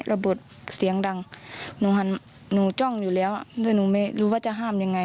ระเบิดเสียงดังหนูหันหนูจ้องอยู่แล้วด้วยหนูไม่รู้ว่าจะห้ามยังไง